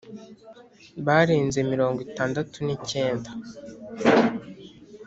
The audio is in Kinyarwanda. barenze mirongo itandatu nicyenda